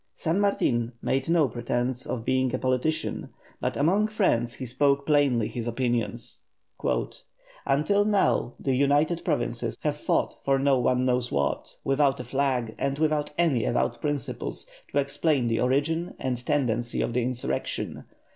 San Martin made no pretence of being a politician, but among friends he spoke plainly his opinions: "Until now the United Provinces have fought for no one knows what, without a flag, and without any avowed principles to explain the origin and tendency of the insurrection.